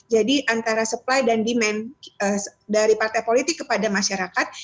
jadi antara supply dan demand dari partai politik kepada masyarakat